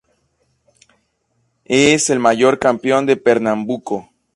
Es el mayor campeón de Pernambuco.